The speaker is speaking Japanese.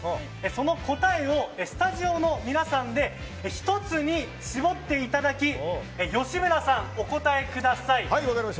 その答えをスタジオの皆さんで１つに絞っていただき吉村さん、お答えください。